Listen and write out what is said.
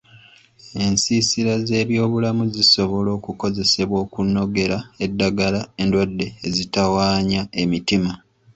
Ensiisira z'ebyobulamu zisobola okukozesebwa okunogera eddagala endwadde ezitawaanya emitima.